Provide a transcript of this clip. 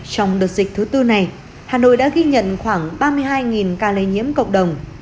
trong đợt dịch thứ tư này hà nội đã ghi nhận khoảng ba mươi hai ca lây nhiễm cộng đồng